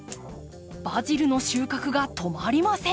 バジルの収穫が止まりません。